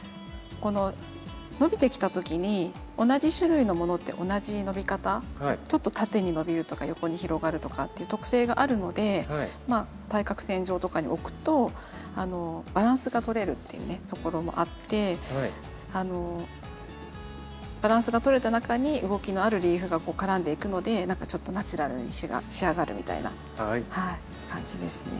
この伸びてきた時に同じ種類のものって同じ伸び方ちょっと縦に伸びるとか横に広がるとかっていう特性があるので対角線上とかに置くとバランスがとれるっていうところもあってあのバランスがとれた中に動きのあるリーフが絡んでいくので何かちょっとナチュラルに仕上がるみたいな感じですね。